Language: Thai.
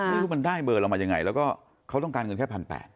ไม่รู้มันได้เบอร์เรามายังไงแล้วก็เขาต้องการเงินแค่๑๘๐๐